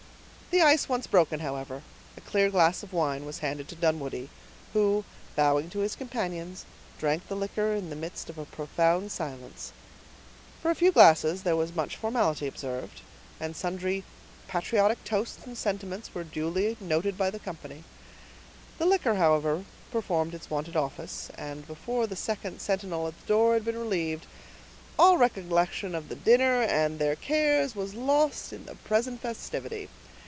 The ice once broken, however, a clear glass of wine was handed to Dunwoodie, who, bowing to his companions, drank the liquor in the midst of a profound silence. For a few glasses there was much formality observed, and sundry patriotic toasts and sentiments were duly noticed by the company. The liquor, however, performed its wonted office; and before the second sentinel at the door had been relieved, all recollection of the dinner and their cares was lost in the present festivity.